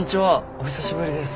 お久しぶりです。